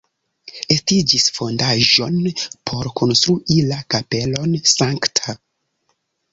Estiĝis fondaĵon por konstrui la kapelon Sankta.